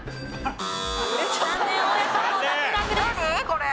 これ。